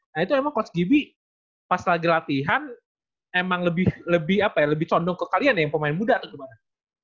nah itu emang coach gibi pas lagi latihan emang lebih apa ya lebih condong ke kalian ya yang pemain muda atau gimana